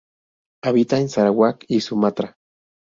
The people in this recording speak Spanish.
Habita en Sarawak y Sumatra.